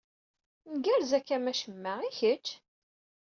Ngerrez akka am acema. I kečč?